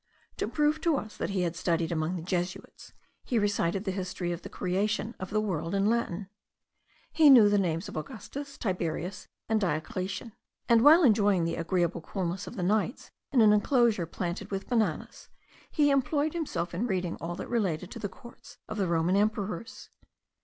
To prove to us that he had studied among the Jesuits, he recited the history of the creation of the world in Latin. He knew the names of Augustus, Tiberius, and Diocletian; and while enjoying the agreeable coolness of the nights in an enclosure planted with bananas, he employed himself in reading all that related to the courts of the Roman emperors.